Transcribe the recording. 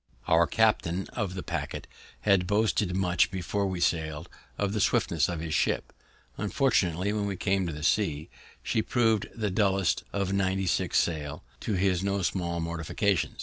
Our captain of the paquet had boasted much, before we sailed, of the swiftness of his ship; unfortunately, when we came to sea, she proved the dullest of ninety six sail, to his no small mortification.